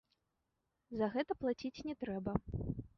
За гэта плаціць не трэба.